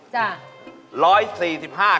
จ้ะ